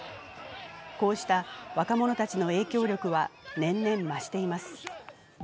こうした若者たちの影響力は年々増しています。